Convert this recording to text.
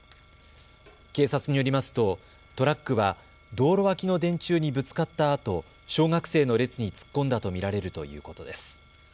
警察によりますとトラックは道路脇の電柱にぶつかったあと小学生の列に突っ込んだと見られるということです。